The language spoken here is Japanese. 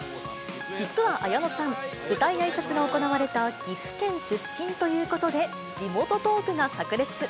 実は綾野さん、舞台あいさつが行われた岐阜県出身ということで、地元トークがさく裂。